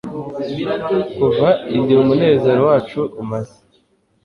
Kuva igihe umunezero wacu umaze